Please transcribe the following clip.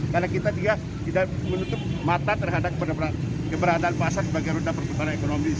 karena kita tidak menutup mata terhadap keberadaan pasar sebagai roda perkembangan ekonomi